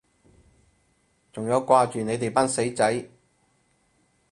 仲有掛住你哋班死仔